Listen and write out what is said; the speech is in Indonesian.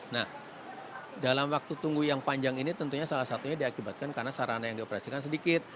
nah dalam waktu tunggu yang panjang ini tentunya salah satunya diakibatkan karena sarana yang dioperasikan sedikit